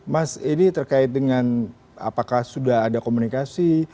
mas ini terkait dengan apakah sudah ada komunikasi